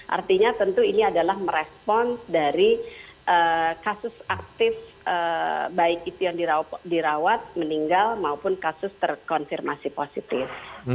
artinya tentu ini adalah merespon dari kasus aktif baik itu yang dirawat meninggal maupun kasus terkonfirmasi positif